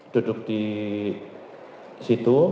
duduk di situ